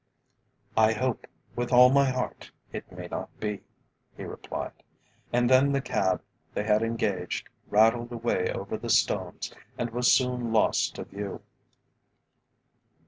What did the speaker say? "I hope, with all my heart, it may not be," he replied, and then the cab they had engaged rattled away over the stones and was soon lost to view.